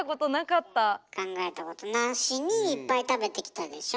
考えたことなしにいっぱい食べてきたでしょ？